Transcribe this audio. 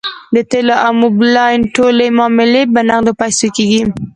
د تیلو او موبلاین ټولې معاملې په نغدو پیسو کیږي